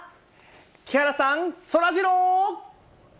木原さん、そらジロー。